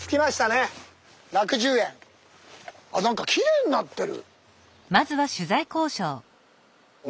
あっ何かきれいになってる。